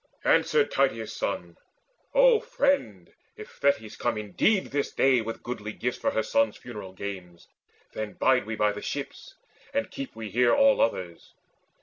Answered Tydeus' son "O friend, if Thetis comes indeed this day With goodly gifts for her son's funeral games, Then bide we by the ships, and keep we here All others.